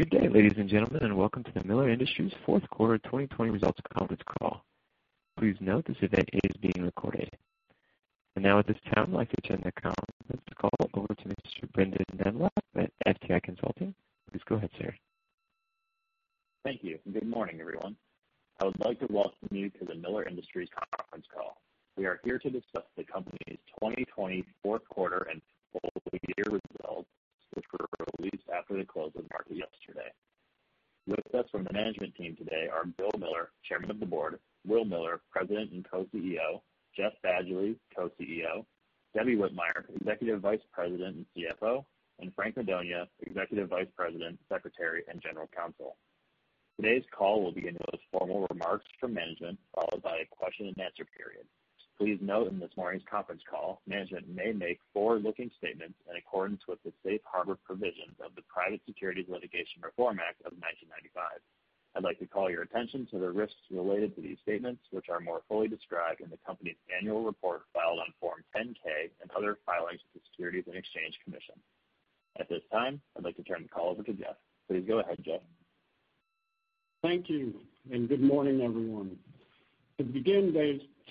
Good day, ladies and gentlemen, and Welcome to the Miller Industries fourth quarter 2020 results conference call. Please note this event is being recorded. Now at this time, I'd like to turn the conference call over to Mr. Brendan Nemeth at FTI Consulting. Please go ahead, sir. Thank you, and good morning, everyone. I would like to welcome you to the Miller Industries conference call. We are here to discuss the company's 2020 fourth quarter and full year results, which were released after the close of market yesterday. With us from the management team today are Bill Miller, Chairman of the Board, Will Miller, President and Co-CEO, Jeff Badgley, Co-CEO, Debbie Whitmire, Executive Vice President and CFO, and Frank Madonia, Executive Vice President, Secretary, and General Counsel. Today's call will begin with formal remarks from management, followed by a question-and-answer period. Please note on this morning's conference call, management may make forward-looking statements in accordance with the safe harbor provisions of the Private Securities Litigation Reform Act of 1995. I'd like to call your attention to the risks related to these statements, which are more fully described in the company's annual report filed on Form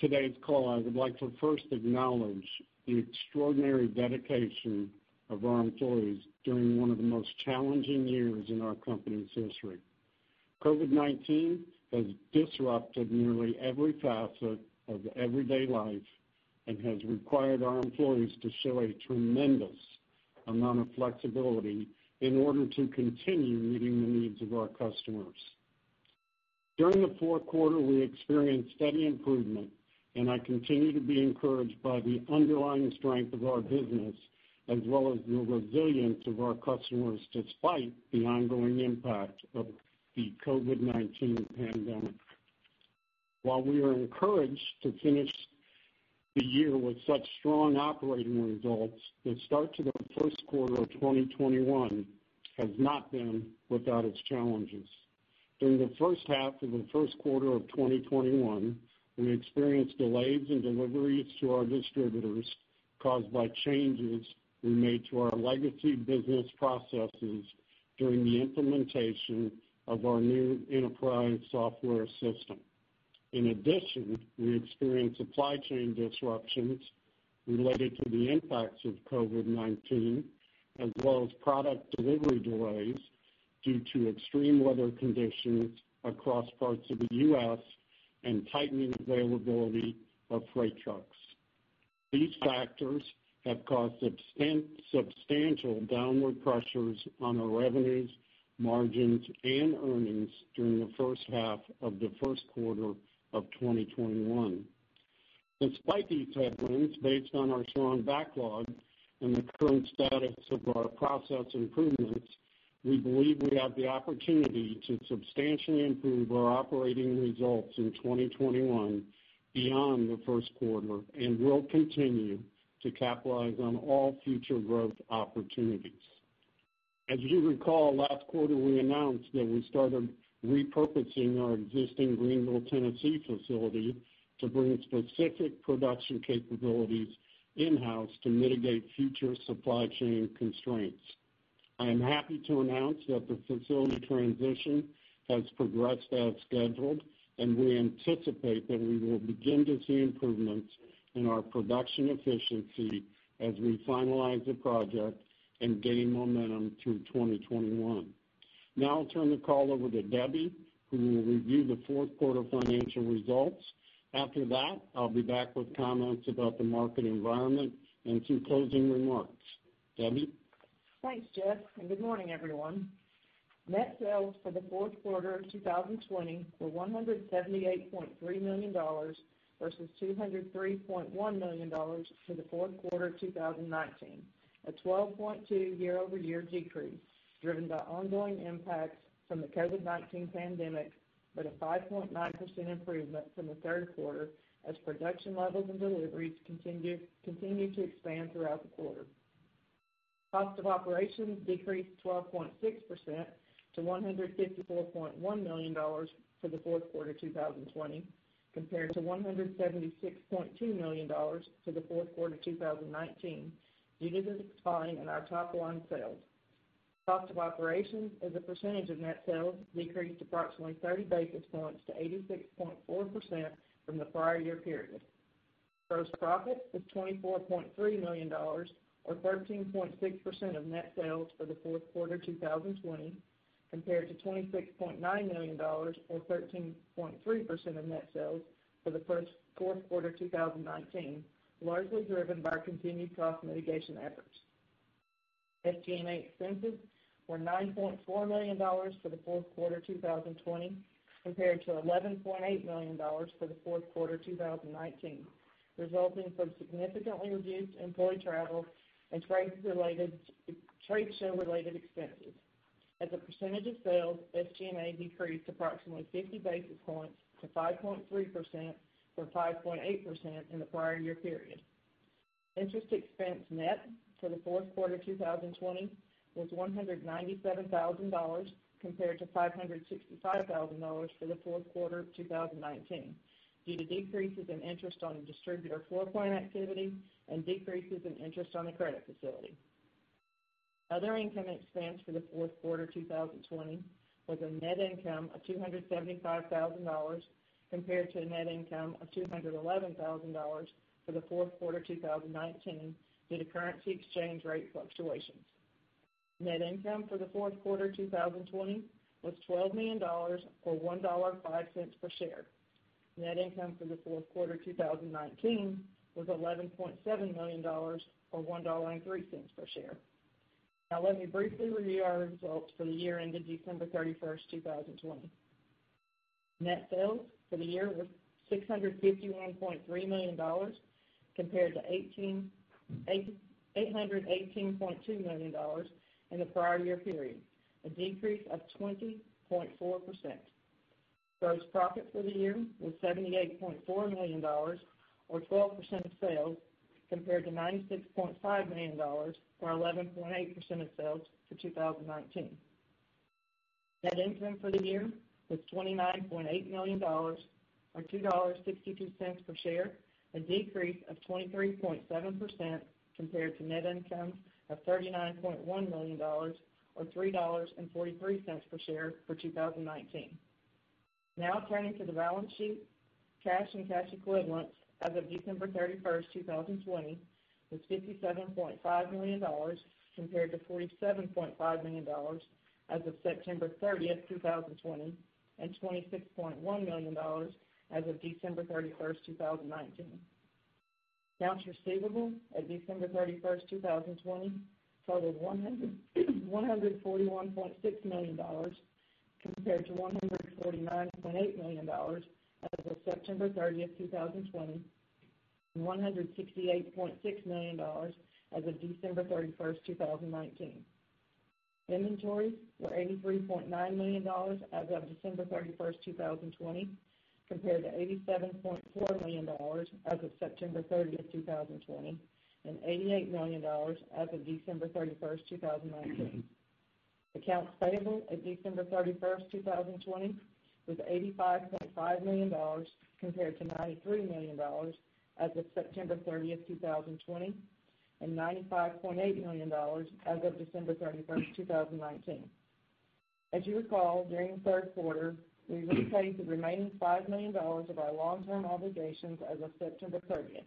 10-K and other filings with the Securities and Exchange Commission. At this time, I'd like to turn the call over to Jeff. Please go ahead, Jeff. Thank you, and good morning, everyone. To begin today's call, I would like to 1st acknowledge the extraordinary dedication of our employees during one of the most challenging years in our company's history. COVID-19 has disrupted nearly every facet of everyday life and has required our employees to show a tremendous amount of flexibility in order to continue meeting the needs of our customers. During the fourth quarter, we experienced steady improvement, and I continue to be encouraged by the underlying strength of our business, as well as the resilience of our customers despite the ongoing impact of the COVID-19 pandemic. While we are encouraged to finish the year with such strong operating results, the start to the first quarter of 2021 has not been without its challenges. During the first half of the first quarter of 2021, we experienced delays in deliveries to our distributors caused by changes we made to our legacy business processes during the implementation of our new enterprise software system. In addition, we experienced supply chain disruptions related to the impacts of COVID-19, as well as product delivery delays due to extreme weather conditions across parts of the U.S. and tightening availability of freight trucks. These factors have caused substantial downward pressures on our revenues, margins, and earnings during the first half of the first quarter of 2021. Despite these headwinds, based on our strong backlog and the current status of our process improvements, we believe we have the opportunity to substantially improve our operating results in 2021 beyond the first quarter and will continue to capitalize on all future growth opportunities. As you recall, last quarter we announced that we started repurposing our existing Greeneville, Tennessee facility to bring specific production capabilities in-house to mitigate future supply chain constraints. I am happy to announce that the facility transition has progressed as scheduled, and we anticipate that we will begin to see improvements in our production efficiency as we finalize the project and gain momentum through 2021. I'll turn the call over to Debbie, who will review the fourth quarter financial results. After that, I'll be back with comments about the market environment and some closing remarks. Debbie? Thanks, Jeff, and good morning, everyone. Net sales for the fourth quarter of 2020 were $178.3 million versus $203.1 million for the fourth quarter 2019, a 12.2% year-over-year decrease driven by ongoing impacts from the COVID-19 pandemic, but a 5.9% improvement from the third quarter as production levels and deliveries continued to expand throughout the quarter. Cost of operations decreased 12.6% to $154.1 million for the fourth quarter 2020 compared to $176.2 million for the fourth quarter 2019 due to the decline in our top-line sales. Cost of operations as a percentage of net sales decreased approximately 30 basis points to 86.4% from the prior year period. Gross profit was $24.3 million, or 13.6% of net sales for the fourth quarter 2020, compared to $26.9 million or 13.3% of net sales for the fourth quarter 2019, largely driven by our continued cost mitigation efforts. SG&A expenses were $9.4 million for the fourth quarter 2020 compared to $11.8 million for the fourth quarter 2019, resulting from significantly reduced employee travel and trade show related expenses. As a percentage of sales, SG&A decreased approximately 50 basis points to 5.3% from 5.8% in the prior year period. Interest expense net for the fourth quarter 2020 was $197,000 compared to $565,000 for the fourth quarter of 2019 due to decreases in interest on distributor floor plan activity and decreases in interest on the credit facility. Other income expense for the fourth quarter 2020 was a net income of $275,000 compared to a net income of $211,000 for the fourth quarter 2019 due to currency exchange rate fluctuations. Net income for the fourth quarter 2020 was $12 million, or $1.05 per share. Net income for the fourth quarter 2019 was $11.7 million, or $1.03 per share. Let me briefly review our results for the year ended December 31st, 2020. Net sales for the year was $651.3 million compared to $818.2 million in the prior year period, a decrease of 20.4%. Gross profit for the year was $78.4 million, or 12% of sales, compared to $96.5 million or 11.8% of sales for 2019. Net income for the year was $29.8 million, or $2.62 per share, a decrease of 23.7% compared to net income of $39.1 million or $3.43 per share for 2019. Turning to the balance sheet. Cash and cash equivalents as of December 31st, 2020 was $57.5 million, compared to $47.5 million as of September 30th, 2020 and $26.1 million as of December 31st, 2019. Accounts receivable at December 31st, 2020 totaled $141.6 million, compared to $149.8 million as of September 30th, 2020, and $168.6 million as of December 31st, 2019. Inventories were $83.9 million as of December 31st, 2020, compared to $87.4 million as of September 30th, 2020, and $88 million as of December 31st, 2019. Accounts payable at December 31st, 2020 was $85.5 million, compared to $93 million as of September 30th, 2020 and $95.8 million as of December 31st, 2019. As you recall, during the third quarter, we repaid the remaining $5 million of our long-term obligations as of September 30th.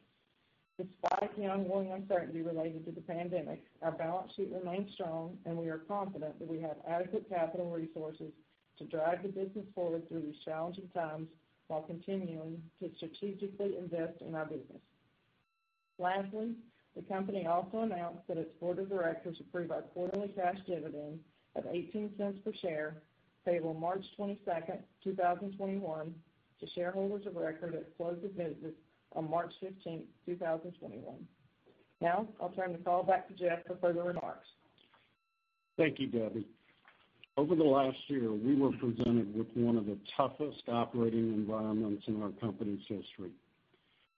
Despite the ongoing uncertainty related to the pandemic, our balance sheet remains strong, and we are confident that we have adequate capital resources to drive the business forward through these challenging times while continuing to strategically invest in our business. Lastly, the company also announced that its board of directors approved our quarterly cash dividend of $0.18 per share payable March 22nd, 2021 to shareholders of record at close of business on March 15th, 2021. Now I'll turn the call back to Jeff for further remarks. Thank you, Debbie. Over the last year, we were presented with one of the toughest operating environments in our company's history.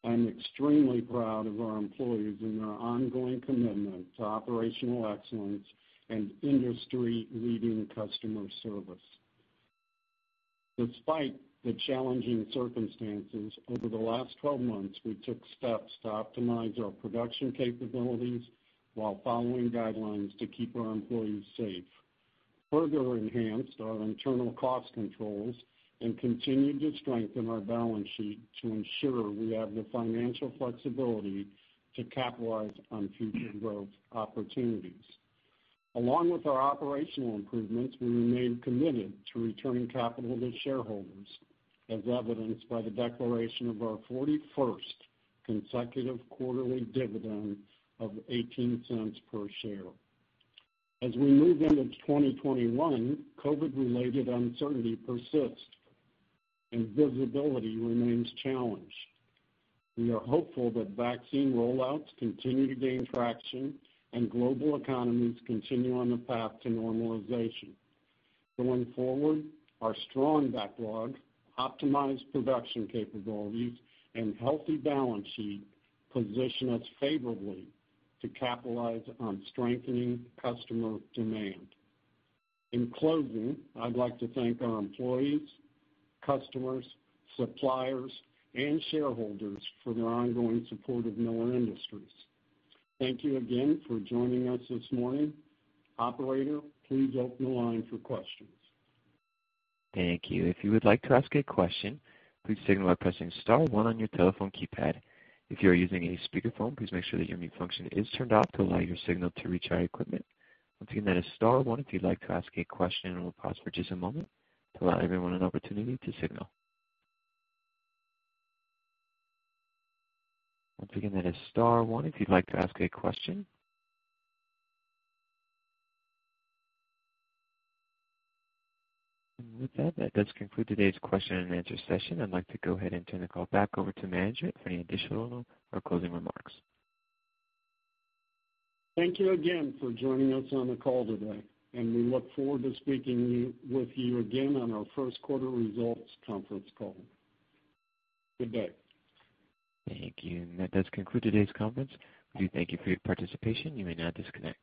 I'm extremely proud of our employees and their ongoing commitment to operational excellence and industry-leading customer service. Despite the challenging circumstances over the last 12 months, we took steps to optimize our production capabilities while following guidelines to keep our employees safe, further enhanced our internal cost controls, and continued to strengthen our balance sheet to ensure we have the financial flexibility to capitalize on future growth opportunities. Along with our operational improvements, we remain committed to returning capital to shareholders, as evidenced by the declaration of our 41st consecutive quarterly dividend of $0.18 per share. As we move into 2021, COVID-related uncertainty persists, and visibility remains challenged. We are hopeful that vaccine rollouts continue to gain traction and global economies continue on the path to normalization. Going forward, our strong backlog, optimized production capabilities, and healthy balance sheet position us favorably to capitalize on strengthening customer demand. In closing, I'd like to thank our employees, customers, suppliers, and shareholders for their ongoing support of Miller Industries. Thank you again for joining us this morning. Operator, please open the line for questions. Thank you. If you would like to ask a question, please signal by pressing star one on your telephone keypad. If you are using a speakerphone, please make sure that your mute function is turned off to allow your signal to reach our equipment. Once again, that is star one if you'd like to ask a question, and we'll pause for just a moment to allow everyone an opportunity to signal. Once again, that is star one if you'd like to ask a question. And with that does conclude today's question and answer session. I'd like to go ahead and turn the call back over to management for any additional or closing remarks. Thank you again for joining us on the call today, and we look forward to speaking with you again on our first quarter results conference call. Good day. Thank you. That does conclude today's conference. We thank you for your participation. You may now disconnect.